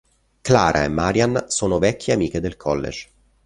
Clara e Marian sono vecchie amiche del College.